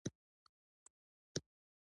د دې تیاره مسیر بنسټ عثماني خلافت ایښی و.